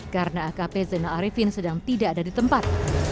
karena akp zainal arifin sedang tidak ada di tempat